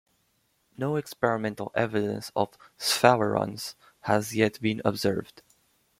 No experimental evidence of sphalerons has yet been observed.